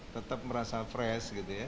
tetap merasa fresh gitu ya